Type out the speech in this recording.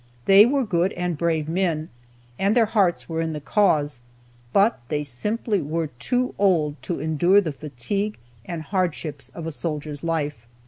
They were good and brave men, and their hearts were in the cause, but they simply were too old to endure the fatigue and hardships of a soldier's life.